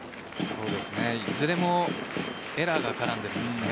いずれもエラーが絡んでいますよね